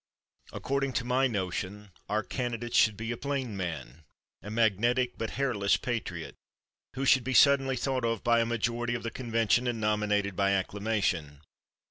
According to my notion, our candidate should be a plain man, a magnetic but hairless patriot, who should be suddenly thought of by a majority of the convention and nominated by acclamation.